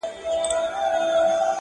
تا خو جهاني د سباوون په تمه ستړي کړو-